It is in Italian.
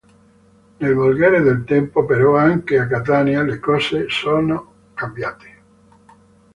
Nel volgere del tempo però, anche a Catania le cose sono cambiate.